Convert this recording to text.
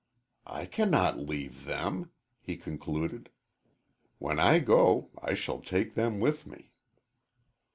"I cannot leave them," he concluded. "When I go I shall take them with me."